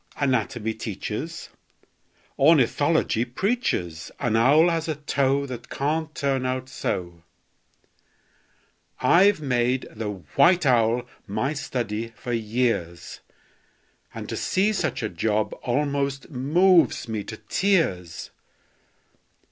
Anatomy teaches, Ornithology preaches An owl has a toe That can't turn out so! I've made the white owl my study for years, And to see such a job almost moves me to tears!